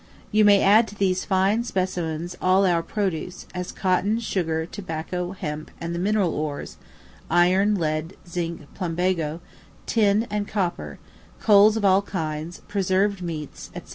You may add to these fine specimens of all our produce, as cotton, sugar, tobacco, hemp, and the mineral ores iron, lead, zinc, plumbago, tin, and copper, coals of all kinds, preserved meats, &c.